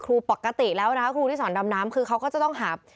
ปกติแล้วนะคะครูที่สอนดำน้ำคือเขาก็จะต้องหา